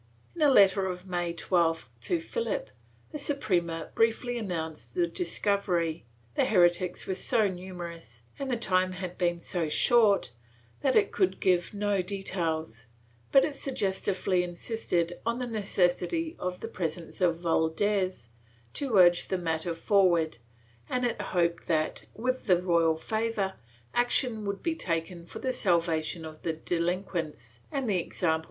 In a letter of May 12th to Philip, the Suprema briefly announced the discovery; the heretics were so numerous and the time had been so short that it could give no details, but it suggestively insisted on the necessity of the presence of Valdes to urge the matter forward and it hoped that, with the royal favor, action would be taken for the salvation of the delin quents and the example and restraint of others.